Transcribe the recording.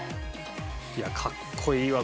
いやかっこいいわ。